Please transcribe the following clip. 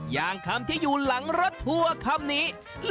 อย่างคำที่อยู่หลังรถทัวร์คำนี้